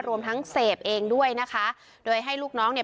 รวมทั้งเสพเองด้วยนะคะโดยให้ลูกน้องเนี่ย